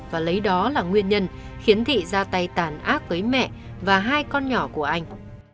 và lấy đó là nguyên nhân khiến thị ra tay tàn ác với mẹ và hai con nhỏ của anh